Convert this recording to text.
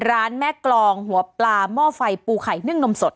ร้านแม่กรองหัวปลาหม้อไฟปูไข่นึ่งนมสด